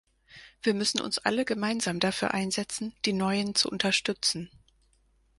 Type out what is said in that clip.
Wir müssen uns alle gemeinsam dafür einsetzen, die Neuen zu unterstützen.